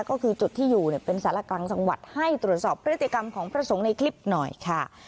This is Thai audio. ก็คือจุดที่อยู่เป็นสารกลางจังหวัดให้ตรวจสอบพฤติกรรมของพระสงฆ์ในคลิปหน่อยค่ะ